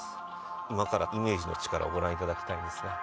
今からイメージの力をご覧いただきたいんですが。